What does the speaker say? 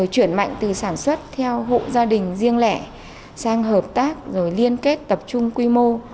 chuyển mạnh từ sản xuất theo hộ gia đình riêng lẻ sang hợp tác rồi liên kết tập trung quy mô